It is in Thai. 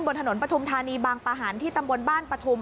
บนถนนปฐุมธานีบางประหันที่ตำบลบ้านปฐุม